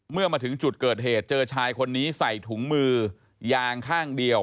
เมื่อมาถึงจุดเกิดเหตุเจอชายคนนี้ใส่ถุงมือยางข้างเดียว